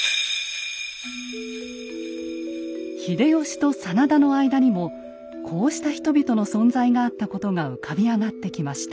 秀吉と真田の間にもこうした人々の存在があったことが浮かび上がってきました。